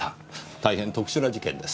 大変特殊な事件です。